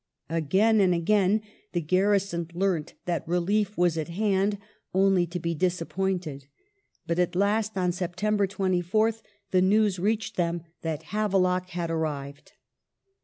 Again and again the garrison learnt that relief was at hand Havelock only to be disappointed ; but at last on September 24th the news ^"^^"^" reached them that Havelock had arrived.